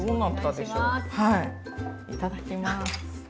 いただきます。